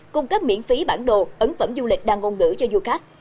cung cấp miễn phí bản đồ ấn phẩm du lịch đăng ngôn ngữ cho du khách